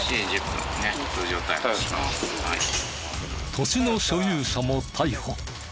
土地の所有者も逮捕。